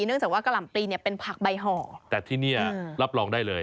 เนื่องจากว่ากะห่ำปลีเนี่ยเป็นผักใบห่อแต่ที่เนี่ยรับรองได้เลย